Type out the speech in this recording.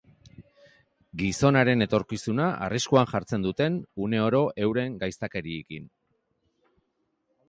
Gizonaren etorkizuna arriskuan jartzen duten uneoro euren gaiztakeriekin.